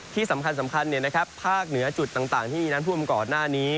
ที่สำคัญภาคเหนือจุดต่างที่มีน้ำท่วมก่อนหน้านี้